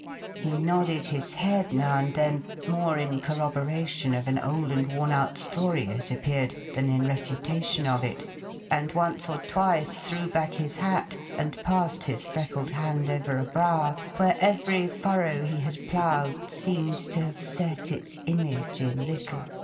He nodded his head now and then—more in corroboration of an old and worn out story, it appeared, than in refutation of it; and once or twice threw back his hat, and passed his freckled hand over a brow, where every furrow he had ploughed seemed to have set its image in little.